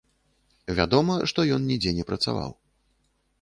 Вядома, што ён нідзе не працаваў.